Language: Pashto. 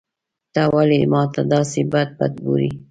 ته ولي ماته داسي بد بد ګورې.